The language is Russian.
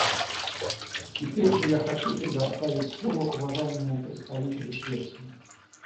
Теперь же я хочу предоставить слово уважаемому представителю Швеции.